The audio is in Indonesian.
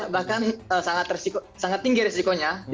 bahkan sangat tinggi resikonya